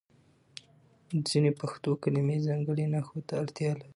ځینې پښتو کلمې ځانګړي نښو ته اړتیا لري.